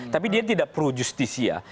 tapi dia tidak pro justisia